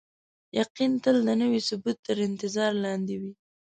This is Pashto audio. یقین تل د نوي ثبوت تر انتظار لاندې وي.